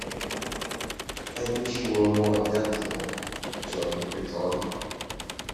I wish you were more adaptable, Joan retorted.